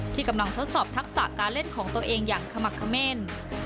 ที่กำลังทดสอบทักษะการเล่นของตัวเองอย่างขมักเขม่น